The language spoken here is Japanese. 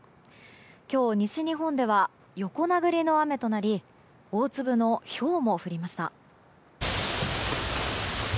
今日、西日本では横殴りの雨となり大粒のひょうも降りました。